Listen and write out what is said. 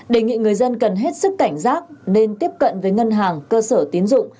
đề nghị người dân cần hết sức cảnh giác nên tiếp cận với ngân hàng cơ sở tiến dụng